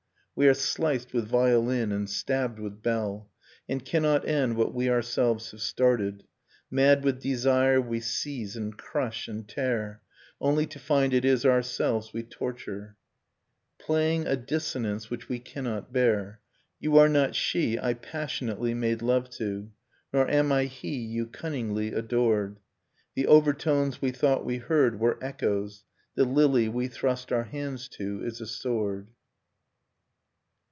We are sliced with violin, and stabbed with bell. And cannot end what we ourselves have started; Mad with desire we seize and crush and tear. Only to find it is ourselves we torture, Nocturne of Remembered Spring Playing a dissonance which we cannot bear. You are not she I passionately made love to, Nor am I he you cunningly adored. The overtones we thought we heard were echoes, The lily we thrust our hands to is a sword.